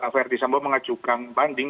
ferry sambo mengajukan banding